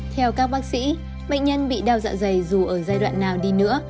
theo các bác sĩ bệnh nhân bị đau dạ dày dù ở giai đoạn nào đi nữa